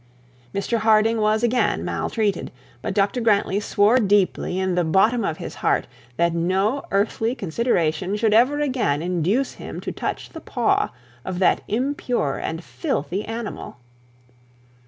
Mr Harding was again maltreated; but Dr Grantly swore deeply in the bottom of his heart, that no earthly consideration should ever again induce him to touch the paw of that impure and filthy animal.